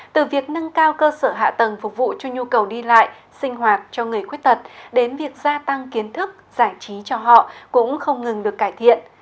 từ việc nâng cao cơ sở hạ tầng phục vụ cho nhu cầu đi lại sinh hoạt cho người khuyết tật đến việc gia tăng kiến thức giải trí cho họ cũng không ngừng được cải thiện